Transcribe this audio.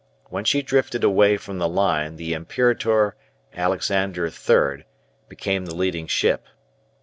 When she drifted away from the line the "Imperator Alexander III" became the leading ship.